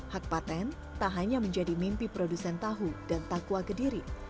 hak patent tak hanya menjadi mimpi produsen tahu dan takwa kediri